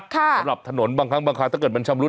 สำหรับถนนบางครั้งถ้าเกิดมันช่ำรุด